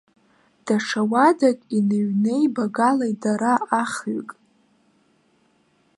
Даҽа уадак иныҩнеибагалоит дара ахҩык.